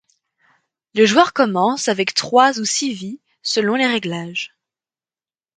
Le joueur commence avec trois ou six vies selon les réglages.